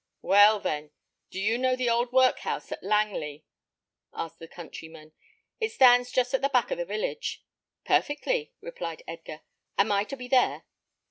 "Well, then, do you know the old workhouse at Langley?" asked the countryman. "It stands just at the back of the village." "Perfectly," replied Edgar. "Am I to be there?"